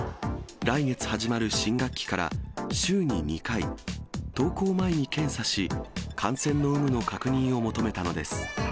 来月始まる新学期から週に２回、登校前に検査し、感染の有無の確認を求めたのです。